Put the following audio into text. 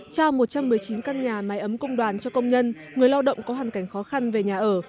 trao một trăm một mươi chín căn nhà máy ấm công đoàn cho công nhân người lao động có hoàn cảnh khó khăn về nhà ở